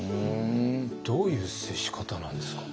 どういう接し方なんですか？